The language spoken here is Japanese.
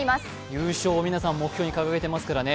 優勝を皆さん、目標に掲げてますからね。